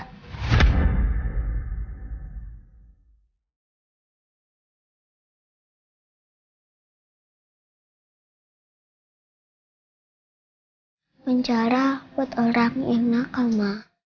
penjara buat orang yang nakal ma